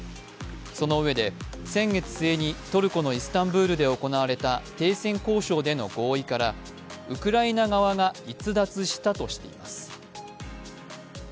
そのうえで、先月末にトルコのイスタンブールで行われた停戦交渉での合意からウクライナ側が逸脱したとしています。